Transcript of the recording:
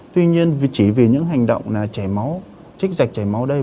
tuy nhiên chỉ vì những hành động chích giải chảy máu đây